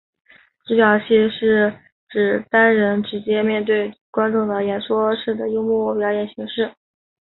独角戏是指单人直接面对观众的演说式的幽默表演形式。